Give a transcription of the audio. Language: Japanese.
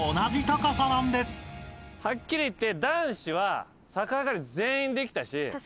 はっきり言って。